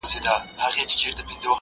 د پېغلوټو تر پاپیو به شم لاندي-